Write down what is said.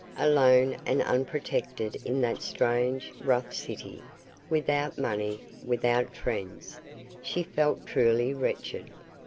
Alone and unprotected in that strange, rough city, without money, without friends, she felt truly wretched.